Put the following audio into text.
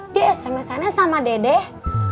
di sms annya sama dedeh